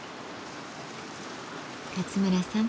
勝村さん